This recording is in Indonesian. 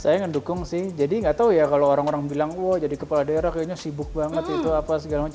saya ngedukung sih jadi nggak tahu ya kalau orang orang bilang wah jadi kepala daerah kayaknya sibuk banget itu apa segala macam